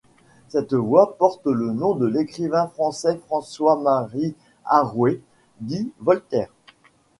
Cette voie porte le nom de l'écrivain français François-Marie Arouet, dit Voltaire.